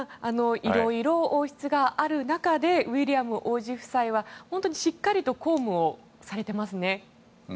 いろいろ、王室にはある中でウィリアム王子夫妻はしっかりと公務をされていますね。